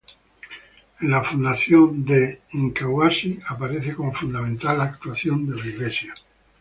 En la fundación de Incahuasi, aparece como fundamental la actuación de la iglesia.